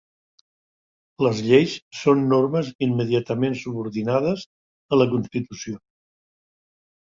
Les lleis són normes immediatament subordinades a la Constitució.